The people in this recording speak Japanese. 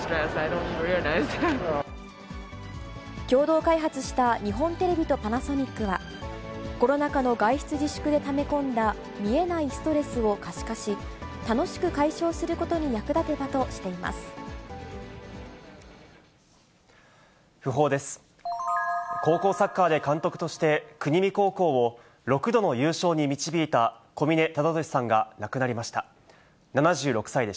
共同開発した日本テレビとパナソニックは、コロナ禍の外出自粛でため込んだ見えないストレスを可視化し、楽しく解消することに役立てたとしています。